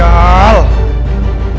aku akan menang